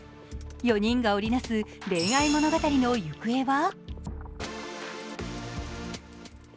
４人が織り成す恋愛物語の行方は？